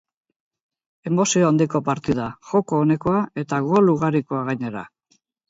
Emozio handiko partida, joko onekoa eta gol ugarikoa gainera.